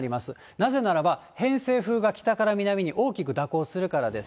なぜならば、偏西風が北から南に大きく蛇行するからです。